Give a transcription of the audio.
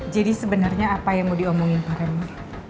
jadi sebenarnya apa yang mau diomongin pak remar